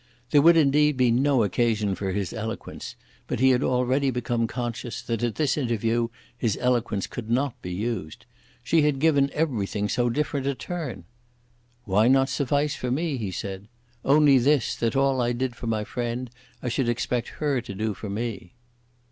There would, indeed, be no occasion for his eloquence; but he had already become conscious that at this interview his eloquence could not be used. She had given everything so different a turn! "Why not suffice for me?" he said. "Only this, that all I did for my friend I should expect her to do for me."